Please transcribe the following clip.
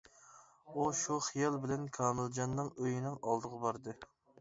ئۇ شۇ خىيال بىلەن كامىلجاننىڭ ئۆيىنىڭ ئالدىغا باردى.